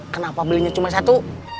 kenapa belinya cuma satu